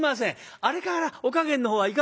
あれからお加減のほうはいかがですか？」。